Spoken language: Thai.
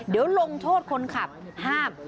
เดี๋ยวลงโทษคนขับห้าม